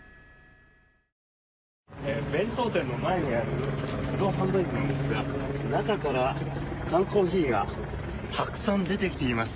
弁当店の前にある自動販売機なんですが中から缶コーヒーがたくさん出てきています。